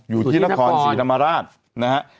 อยู่ที่นครศรีธรรมราชนะฮะ